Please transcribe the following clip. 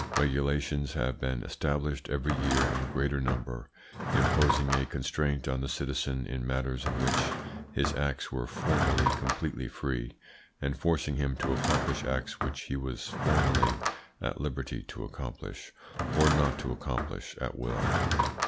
Regulations have been established every year in greater number, imposing a constraint on the citizen in matters in which his acts were formerly completely free, and forcing him to accomplish acts which he was formerly at liberty to accomplish or not to accomplish at will.